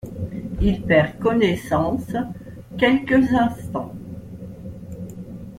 Il perd connaissance quelques instants.